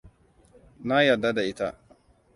Na yadda da ita.